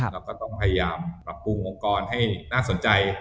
เราก็ต้องพยายามปรับปรุงองค์กรให้น่าสนใจ